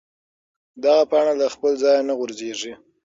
دغه پاڼه له خپل ځایه نه غورځېږي.